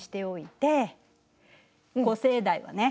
古生代はね